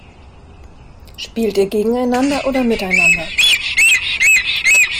Spielt ihr gegeneinander oder miteinander?